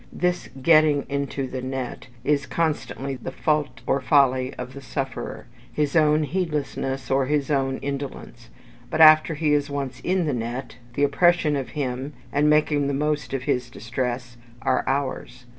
This getting into the net is constantly the fault or folly of the sufferer his own heedlessness or his own indolence; but after he is once in the net, the oppression of him, and making the most of his distress, are ours.